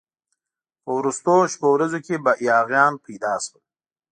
په وروستو شپو ورځو کې یاغیان پیدا شول.